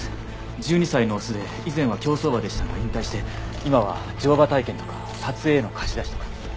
１２歳のオスで以前は競走馬でしたが引退して今は乗馬体験とか撮影への貸し出しとか。